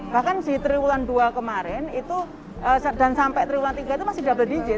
bahkan di triwulan dua kemarin itu dan sampai triwulan tiga itu masih double diizin